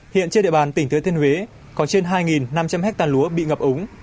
hiện trên địa bàn tỉnh thứa thiên huế có trên hai năm trăm linh hectare lúa bị ngập ống